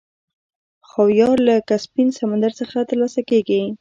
خاویار له کسپین سمندر څخه ترلاسه کیږي.